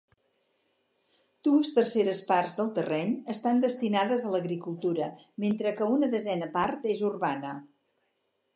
Dues terceres parts del terreny estan destinades a l'agricultura, mentre que una desena part és urbana.